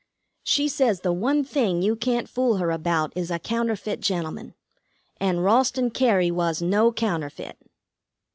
She says the one thing you can't fool her about is a counterfeit gentleman. And Ralston Cary was no counterfeit."